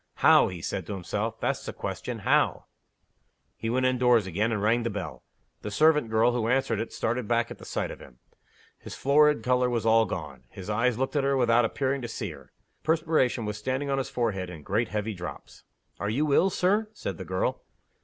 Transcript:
"How?" he said to himself. "That's the question. How?" He went indoors again, and rang the bell. The servant girl who answered it started back at the sight of him. His florid color was all gone. His eyes looked at her without appearing to see her. The perspiration was standing on his forehead in great heavy drops. "Are you ill, Sir?" said the girl.